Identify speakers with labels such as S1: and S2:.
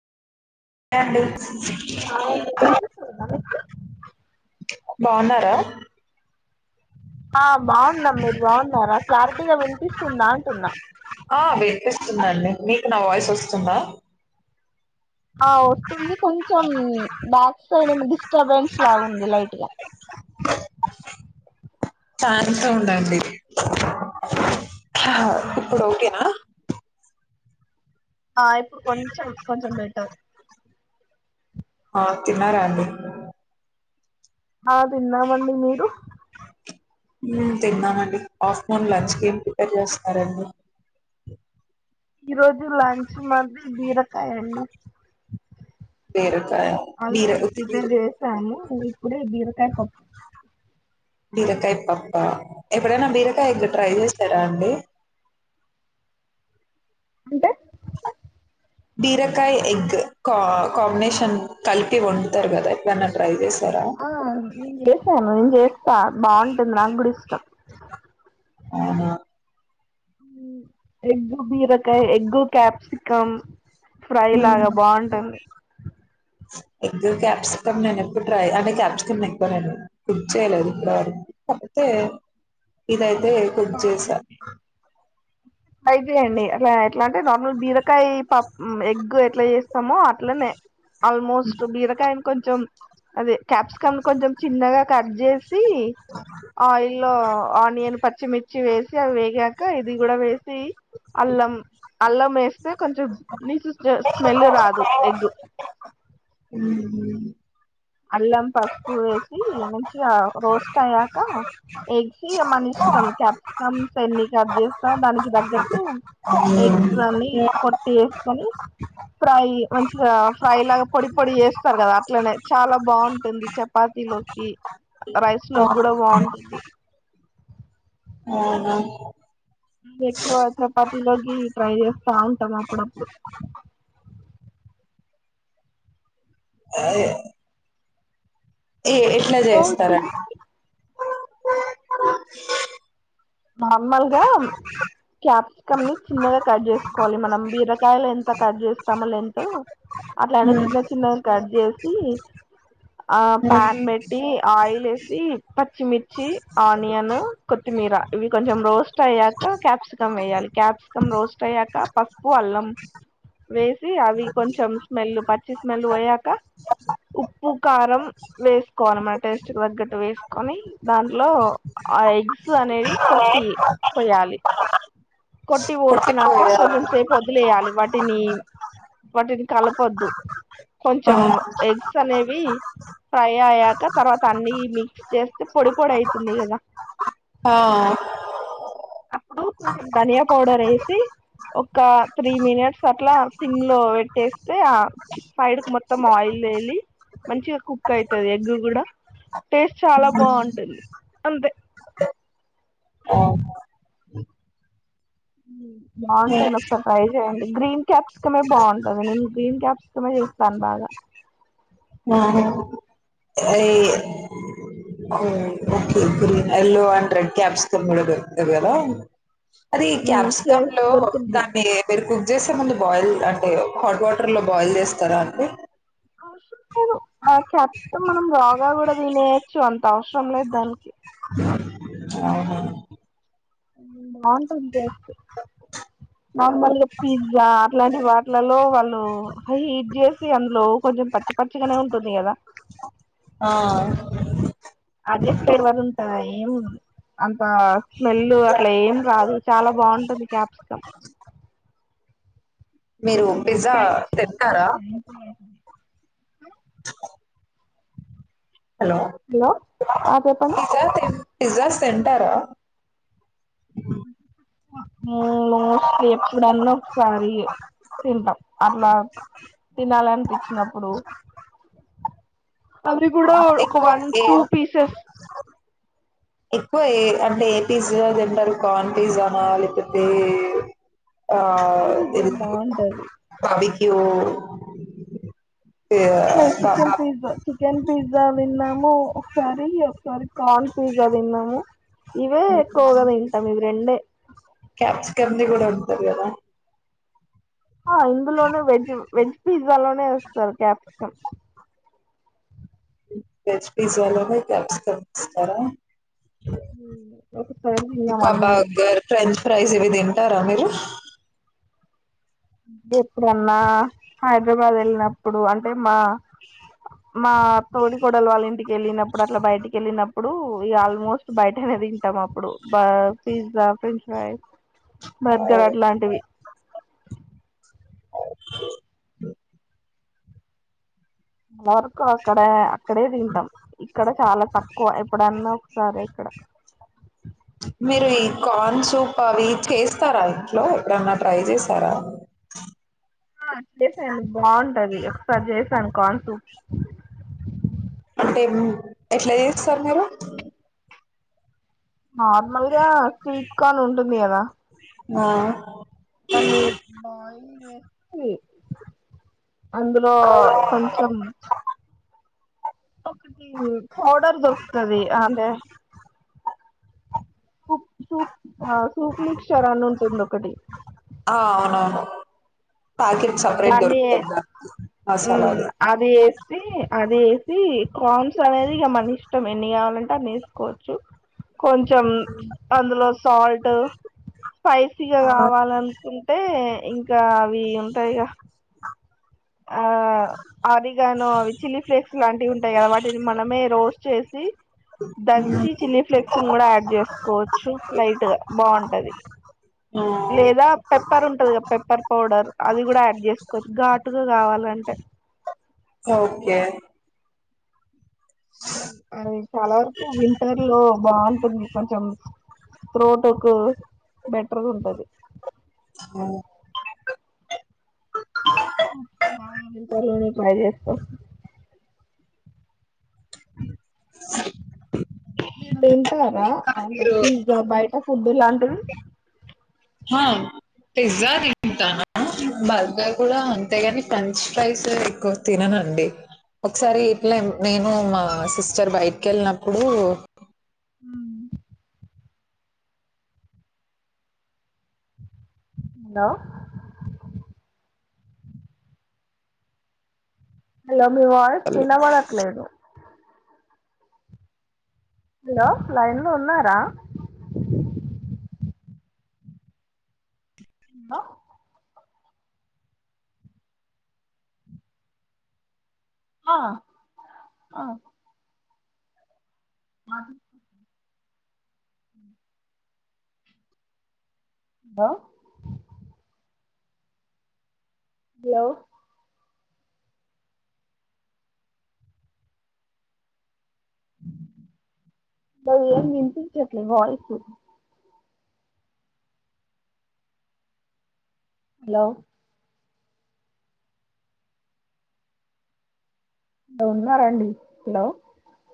S1: సరే అండి బాన్నా టా
S2: ఆ బాగున్నాం మీరు బాగున్నారా క్లారిటీగా వినిపిస్తుందా అంటున్నా
S1: స్తుందండి మీకు నా వాయిస్ వస్తుందా
S2: ఆ వస్తుంది కొంచెం బ్యాక్ సైడ్ డిస్టర్బెన్స్ లాగుంది లైట్ గా
S1: చాన్స ఉండండి హ్ ఇప్పుడు ఓకేనా
S2: ఆ ఇప్పుడు కొంచెం కొంచెం బెటర్
S1: ఆ తిన్నారా అండి
S2: ఆ తిన్నా మండి మీరు
S1: హుమ్ తిన్నా మండి ఆఫ్టర్నూన్ లంచ్ కి ఏం ప్రిపేర్ చేస్తున్నారండి
S2: ఈ రోజు లంచ్ మాది బీరకాయ అండి,
S1: బీరకాయ బీర
S2: ఆల్రెడీ
S1: ఉత్తి బీర
S2: ప్రిపేర్ చేసాము ఇప్పుడే బీరకాయ పప్.
S1: బీరకాయ పప్పా, ఎప్పుడైనా బీరకాయ ఎగ్ ట్రై చేస్తారా అండి?
S2: అంటె
S1: బీరకాయ ఎగ్, కా కాంబినేషన్ కలిపి వండుతారు కదా, ఎప్పుడన్న ట్రై చేస్
S2: ఆ నేను చేసాను, నేను చేస్తా బాగుంటుంది, నాకు గుడ ఇష్టం.
S1: అవునా
S2: ఎగ్గు బీరకాయ, ఎగ్గు క్యాప్సికమ్. ఫ్రై లాగా
S1: మ్మ్.
S2: బాగుంటుంది.
S1: ఎగ్ క్యాప్సికం నేను ఎప్పుడు ట్రై అంటే క్యాప్సికం ఎక్కువ నేను కుక్ చేయలేదు ఇప్పుడు వరకు, కాపోతే. అదే కుక్ చేస
S2: ట్రై చేయండి అట్లా ఎట్లా అంటే నార్మల్ బీరకాయ పప్ ఎగ్ ఎట్లా చేస్తామో అట్లనే ఆల్మోస్ట్, బీరకాయని కొంచెం అదే కాప్సికం కొంచెం చిన్నగా కట్ జెస్ ది ఆయిల్ లో ఆనియన్ పిర్చిమిర్చి వేసి అవి వేగాక ఇది కూడా వేసి, అల్లం అల్లం వేస్తే కొంచెం నీసు జ్ స్మెల్ రాదు ఎగ్గు.
S1: ఉమ్
S2: అల్లం పసుపు వేసి మంచిగా రోస్ట్ అయ్యాక ఎగ్స్ ఇగ మన ఇష్టం, క్యాప్సికమ్స్ ఎన్ని కట్ చేస్తాం దానికి తగ్గట్టు ఎగ్స్ అన్ని కొట్టి ఏసుకొని, ఫ్రై మంచిగా ఫ్రై లాగా పొడి పొడి చేస్తరు కదా అట్లనే. చాలా బాగుంటుంది చపాతీ లోకి, రైస్ లోకి కూడా బాగుంటుంది.
S1: అవునా
S2: ఎక్కువ చపాతీలోకి ట్రై చేస్తా ఉంటాం అప్పుడప్పుడు.
S1: అయే ఏ ఎట్లా చేస్తార
S2: నార్మల్గా క్యాప్ ముక్కల్ని చిన్నగా కట్ చేసుకోవాలి మనం బీరకాయలు ఎంత కట్ చేస్తామో లెంగ్తు, అట్లానే చిన్న చిన్నగా కట్ చేస్ సి ఆ పాన్ పెట్టి ఆయిల్ ఏసి పచ్చిమిర్ చ్చి ఆనియన్, కొత్తిమీర ఇవి కొంచెం రోస్ట్ అయ్యాక క్యాప్సికం వేయాలి, క్యాప్సికం రోస్ట్ అయ్యాక పసుపు అల్లం వేసి సి అవి కొంచెం స్మెల్ పచ్చి స్మెల్ పోయాక, ఉప్పు కారం వేసుకోవాలి మన టేస్ట్ తగ్గట్టు వేసుకొని దాంట్లో ఆ ఎగ్స్ అనేది కొట్టి పోయాలి, కొట్టి పోసినాక
S1: కొట్టిపోయా
S2: కొంచెం సేపు వదిలేయాలి వాటిని వాటిని కలపొద్దు
S1: ఆ
S2: కొంచెం ఎగ్స్ అనేవి ఫ్రై అయ్యాక తర్వాత అన్ని మిక్స్ చేస్తే పొడి పొడి ఐతుంది కదా
S1: ఆ
S2: అప్పుడు కొంచెం ధనియా పౌడర్ ఏసి ఒక త్రీ మినిట్స్ అట్లా సిమ్ లో పెట్టేస్తే ఆ సైడ్ కు మొత్తం ఆయిల్ తేలి మంచిగా కుక్ అయితది. ఎగ్ కూడా టేస్ట్ చాలా బాగుంటుంది అంతే
S1: ఆ.
S2: స బాగుంటుంది ఒకసారి ట్రై చేయండి గ్రీన్ క్యాప్స్ కమే బాగుంటంది నేను గ్రీన్ క్యాప్స్ సుమ చేస్తాన్నారా
S1: ఏయే okay green yellow and red caps త దొరుకుతుంది కదా అది
S2: ఉమ్ చే
S1: క్యాప్సికమ్ లో
S2: దొరుకుద్ది
S1: దాన్ని పెరుగు చేస్తే ముందు బాయిల్ అంటే హాట్ వాటర్ లో బాయిల్ చేస్తారా అండి
S2: అవసరం లేదు ఆ క్యాప్సిమ్ మనం రోగాలు కూడా తినేయచ్చు అంత అఔ అన్నం దానికి
S1: ఆ అవునా
S2: నాన్ నార్మల్గా పిజ్జా అట్లాంటి వాటిలలో వాళ్ళు హీట్ చేసి అందులో కొంచం పచ్చి పచ్చిగానే ఉంటుంది కదా
S1: ఆ!
S2: అదే పేర్వల్ ఉంటాయి ఏం ఉమ్ అంత స్మెల్ అట్లా ఏం రాదు చాలా బావుంటది క్యాప్సికం
S1: మీరు పిజ్జా తింటారా హలో!
S2: హలో ఆ చెప్పండి
S1: పిజ్జా తిన్ పిజ్జాస్ తింటారా
S2: మోస్ట్లీ ఎప్పుడన్నా ఒకసారి తింటాం అట్లా తినాలనిపించినప్పుడు అవి కూడా ఒక
S1: ఎక్కువ
S2: వన్
S1: ఏ
S2: టూ పీసెస్
S1: ఎక్కువ ఏ అంటే ఏ పిజ్జా తింటారు కార్న్ పిజ్జానా లేకపోతే ఆ
S2: చికెన్ పిజ్జా
S1: ఇది
S2: బాగుంటది
S1: అ అవి ఇగో
S2: chicken pizza chicken pizza విన్నాం మేము ఒకసారి ఒకసారి కార్న్ పిజ్జా తిన్నాము ఇవే ఎక్కువగా తింటాము ఇవి రెండే
S1: ఉండది గదా
S2: ఆహ్ ఇందులోనే వెజ్జ్ వెజ్జ్ పిజ్జా లోనే వేస్తారు క్యాప్సికం
S1: వెజ్ పీజా లోనే క్యాప్సికం ఇస్తారా
S2: ఉమ్ ఒకసారి తిన్నావ అన్ని
S1: ప్రైజ్ ఇవి తింటారా మీరు
S2: గేప్ ఎ [unintelligible] హైదరాబాద్ వెళ్ళినప్పుడు అంటే మా మా తోడి కొడలు వాళ్ళ ఇంటికి వెళ్ళినప్పుడు అట్లా బయటికి వెళ్ళినప్పు. అప్పుడు ఈగ ఆల్మోస్ట్ బయటనే తింటాము అప్ అప్పుడు బర్ పిజ్జా ఫ్రెంచ్ ప్రైస్
S1: ఆ,
S2: బర్గర్ అట్లాంటివి
S1: ఆహ్
S2: వర్క్ అక్కడే అక్కడె అక్కడే తింటాం ఇక్కడ చాలా తక్కువ ఎప్పుడన్నా ఒకసారి ఇక్కడ.
S1: మీరు ఈ కార్న్ సూప్ అవి చేస్తారా ఇంట్లో ఎప్పుడన్నా ట్రై చేశారా.
S2: ఆ చేశాను బాగుంటది ఒకసారి చేశాను. కార్న్ సూప్
S1: అంటే ఎట్లా చేస్తారు మీరు
S2: ఆ నార్మల్ గా స్వీట్ కార్న్ ఉంటుంది కదా.
S1: ఆ
S2: [unintelligible] అ అందులో కొంచెం ఒకటి పౌడర్ దొరుకుతుది అంటే. ఒక సూప్ సూప్ మిక్చర్ అని ఉంటుంది ఒకటి
S1: ఆ అవునవును ప్యాకెట్ సపరేట్
S2: దాన్ని
S1: దొరుకుతుంది దానికి మసాలాది
S2: అది వేసి అది వేసి కాన్స్ అనేది ఇక మన ఇష్టం ఎన్ని కావాలంటే. వేసుకోవచ్చు కొంచెం అందులో సాల్ట్ స్పైసీగా
S1: ఆ
S2: కావాలనుకుంటే. ఇ ఇంకా అవి దయ ఆ ఆరిగాను అవి చిల్లీ ఫ్లేక్స్ లాంటివి ఉంటాయి కదా వాటిని మనమే రోస్ట్ చేసి
S1: హ్మ్
S2: దంచి చిల్లీ ఫ్లేక్స్ని కూడా యాడ్ చేసుకోవచ్చు లైట్ గా బాగుంటది
S1: ఆ
S2: లేదా పెప్పర్ ఉంటది కదా పెప్పర్ పౌడర్ అది కూడా యాడ్ చేసుకోవచ్చు ఘాటుగా కావాలంటే
S1: ఓకే
S2: అది చాలా వరకు వింటర్ లో బాగుంటుంది కొంచెం త్రొటకు బెటర్గా ఉంటాది
S1: ఆ,
S2: బాగా ఉంటారు కదా [inaudible] అదే ఇడా ఉంటారా
S1: కానీ మీరు
S2: పిజ్జా బయట వొద్దులాంటివి
S1: హ పిజ్జా తింటాను బర్గర్ కూడా అంతేగాని ఫ్రెంచ్ ఫ్రైస్ ఎక్కువ తినను అండి ఒకసారి ఇట్లా నేను మా సిస్టర్ బయటికి వెళ్ళినప్పుడు
S2: హ హలో హలో మీ వాయిస్
S1: వాళ్ళు
S2: వినాబడట్లేదు హలో లైన్ లో ఉన్నారా ఉండా ఆ ఆ అదీ దా హలో మే ఏం వినిపించట్లేదు వాయిస్ హలో హలో ఉన్నారండి హలో